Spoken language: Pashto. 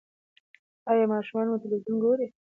ایا ماشومان مو تلویزیون ګوري؟